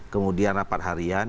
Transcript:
kemudian rapat harian